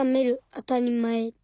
あたりまえ。